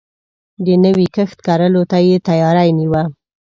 د نوی کښت کرلو ته يې تياری نيوه.